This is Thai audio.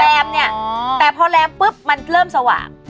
เนี่ยแต่พอแรมปุ๊บมันเริ่มสว่าง